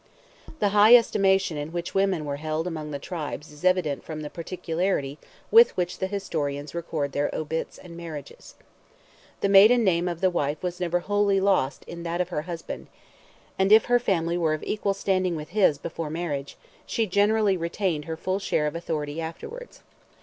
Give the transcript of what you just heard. The high estimation in which women were held among the tribes is evident from the particularity with which the historians record their obits and marriages. The maiden name of the wife was never wholly lost in that of her husband, and if her family were of equal standing with his before marriage, she generally retained her full share of authority afterwards.